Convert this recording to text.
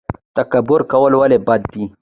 تکبر کول ولې بد دي؟